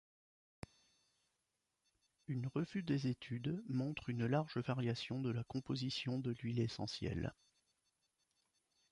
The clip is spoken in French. Une revue des études montre une large variation de la composition de l'huile essentielle.